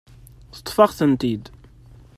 Teṭṭef-aɣ-tent-id.